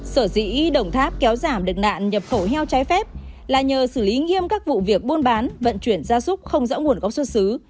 sở dĩ đồng tháp kéo giảm được nạn nhập khẩu heo trái phép là nhờ xử lý nghiêm các vụ việc buôn bán vận chuyển gia súc không rõ nguồn gốc xuất xứ